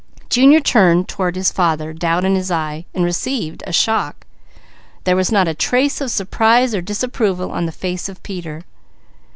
Junior turned toward his father, doubt in his eye, to receive a shock. There was not a trace of surprise or disapproval on the face of Peter.